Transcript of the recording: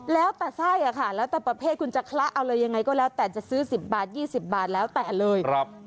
แล้วแต่ไส้อะค่ะแล้วแต่ประเภทคุณจะคละเอาเลยยังไงก็แล้วแต่จะซื้อ๑๐บาท๒๐บาทแล้วแต่เลย